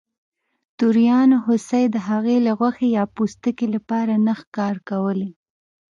توریانو هوسۍ د هغې له غوښې یا پوستکي لپاره نه ښکار کولې.